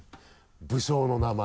武将の名前。